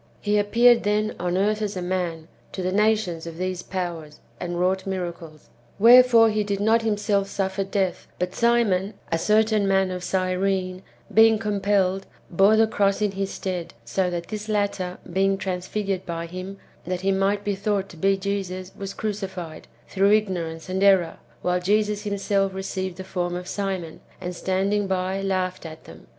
He appeared, then, on earth as a man, to the nations of these powers, and wrouo'ht miracles. Wherefore he did not himself suffer death, but Simon, a certain man of Cyrene, being compelled, bore the cross in his stead; so that this latter being transfigured by him, that he might be thought to be Jesus, was crucified, through ignorance and error, while Jesus himself received the form of Simon, and, standing by, laughed at them.